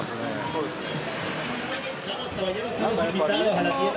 そうですね